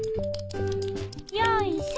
よいしょ！